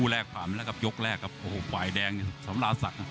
ดั่งด้านสำรอันสัก